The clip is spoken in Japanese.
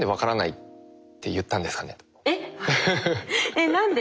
えっ何で？